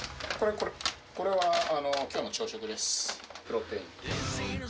これ、これはきょうの朝食です。